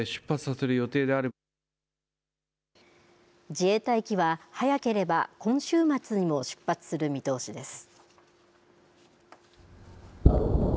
自衛隊機は、早ければ今週末にも出発する見通しです。